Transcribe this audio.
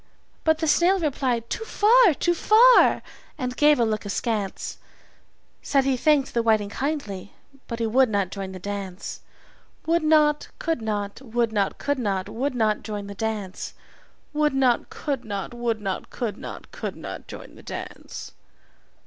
But the snail replied "Too far, too far!" and gave a look askance Said he thanked the whiting kindly, but he would not join the dance. Would not, could not, would not, could not, would not join the dance. Would not, could not, would not, could not, could not join the dance.